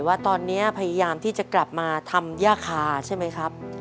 ว่าตอนนี้พยายามที่จะกลับมาทำย่าคาใช่ไหมครับ